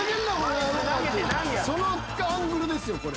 そのアングルですよこれ。